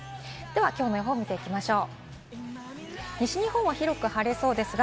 きょうの予報を見ていきましょう。